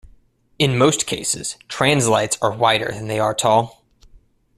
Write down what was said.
In most cases, translites are wider than they are tall.